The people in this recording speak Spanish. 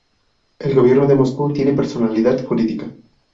El Gobierno de Moscú tiene personalidad jurídica.